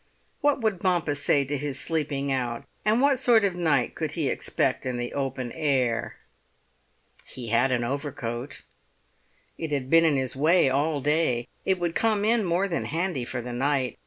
What would Bompas say to his sleeping out, and what sort of night could he expect in the open air? He had an overcoat. It had been in his way all day; it would come in more than handy for the night.